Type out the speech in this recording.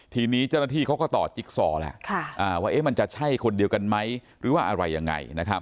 ทีนี้เจ้าหน้าที่เขาก็ต่อจิ๊กซอแล้วว่ามันจะใช่คนเดียวกันไหมหรือว่าอะไรยังไง